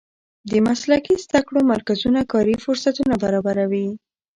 د مسلکي زده کړو مرکزونه کاري فرصتونه برابروي.